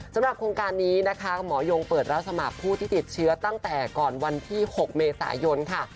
สำหรับโครงการนี้นะคะหมอยงเปิดรับสมัครผู้ที่ติดเชื้อตั้งแต่ก่อนวันที่๖เมษายนค่ะ